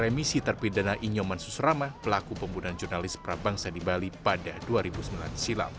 remisi terpidana inyoman susrama pelaku pembunuhan jurnalis prabangsa di bali pada dua ribu sembilan silam